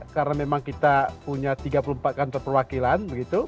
karena memang kita punya tiga puluh empat kantor perwakilan